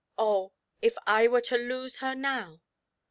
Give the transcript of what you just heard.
Oh, if I were to lose her now